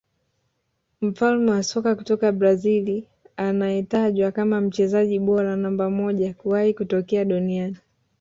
Mfalme wa soka kutoka Brazil anayetajwa kama mchezaji bora namba moja kuwahi kutokea duniani